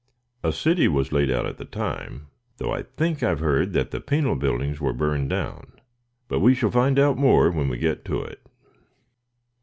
A city was laid out at the time, though I think I have heard that the penal buildings were burned down. But we shall find out more when we get to it."